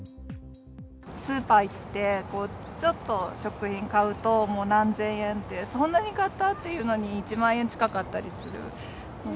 スーパー行って、ちょっと食品買うと、もう何千円って、そんなに買ったっていうのに、１万円近かったりするんで。